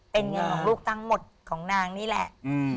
เป็นเงินของลูกทั้งหมดของนางนี่แหละ